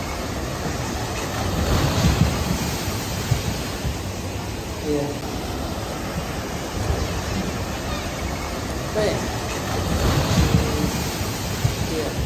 I somehow saved wrong and lost a day of progress.